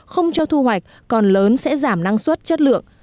không cho thu hoạch còn lớn sẽ giảm năng suất chất lượng